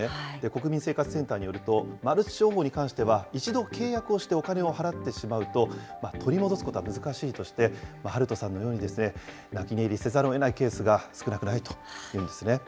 国民生活センターによると、マルチ商法に関しては、一度契約をしてお金を払ってしまうと、取り戻すことは難しいとして、ハルトさんのようにですね、泣き寝入りせざるをえないケースが少なくないというんですね。